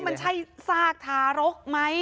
มันใช่ซากทารกไหม